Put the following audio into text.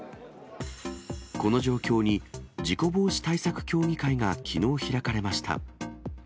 この状況に、事故防止対策協議会がきのう開かれました。